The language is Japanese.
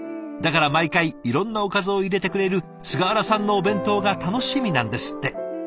だから毎回いろんなおかずを入れてくれる菅原さんのお弁当が楽しみなんですって。